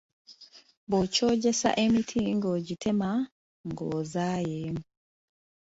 Bw’okyojjesa emiti ng’ogitema ng’ozaaye.